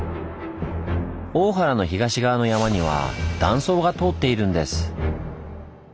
大原の東側の山には断層が通っているんです。